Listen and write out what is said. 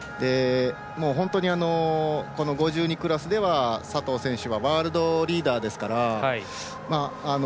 もう本当に５２クラスでは佐藤選手はワールドリーダーですから。